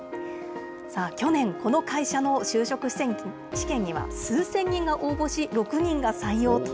さあ、去年、この会社の就職試験には数千人が応募し、６人が採用と。